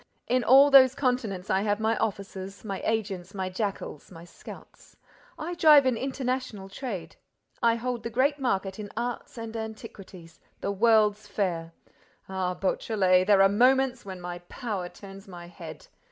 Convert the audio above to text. In all those continents, I have my offices, my agents, my jackals, my scouts! I drive an international trade. I hold the great market in art and antiquities, the world's fair! Ah, Beautrelet, there are moments when my power turns my head!